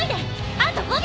あと５秒！